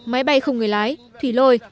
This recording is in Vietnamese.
máy bay không người lái thủy lôi